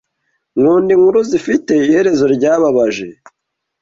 Nkunda inkuru zifite iherezo ryababaje.